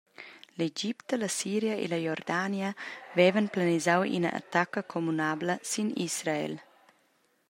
L’Egipta, la Siria e la Jordania vevan planisau ina attacca communabla sin Israel.